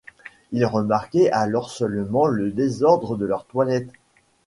Il remarquait alors seulement le désordre de leur toilette.